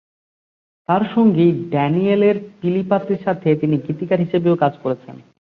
তার সঙ্গী ড্যানিয়েল ফিলিপাচির সাথে তিনি গীতিকার হিসেবেও কাজ করেছেন।